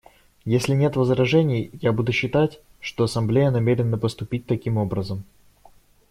Если нет возражений, я буду считать, что Ассамблея намерена поступить таким образом.